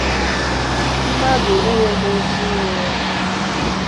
mmadụ enweghị ike ime ya